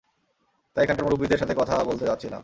তাই এখানকার মুরুব্বিদের সাথে কথা বলতে চাচ্ছিলাম।